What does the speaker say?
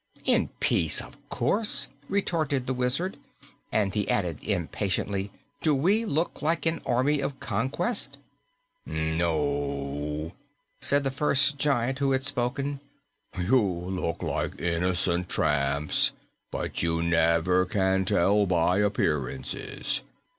"In peace, of course," retorted the Wizard, and he added impatiently, "Do we look like an army of conquest?" "No," said the first giant who had spoken, "you look like innocent tramps; but you never can tell by appearances.